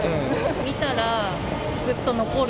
見たら、ずっと残る。